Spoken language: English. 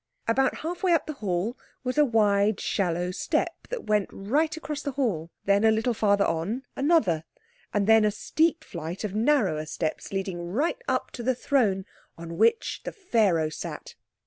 About half way up the hall was a wide, shallow step that went right across the hall; then a little farther on another; and then a steep flight of narrower steps, leading right up to the throne on which Pharaoh sat.